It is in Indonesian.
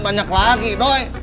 banyak lagi doi